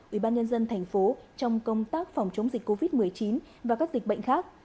ubnd tp trong công tác phòng chống dịch covid một mươi chín và các dịch bệnh khác